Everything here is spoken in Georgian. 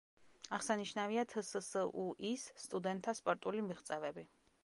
აღსანიშნავია თსსუ-ის სტუდენტთა სპორტული მიღწევები.